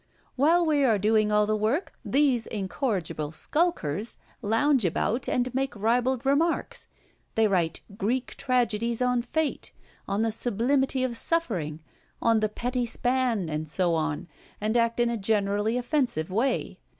While we are doing all the work, these incorrigible skulkers lounge about and make ribald remarks; they write Greek tragedies on Fate, on the sublimity of Suffering, on the Petty Span, and so on; and act in a generally offensive way.